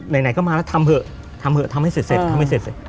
ไหนก็มาแล้วทำเหอะทำให้เสร็จ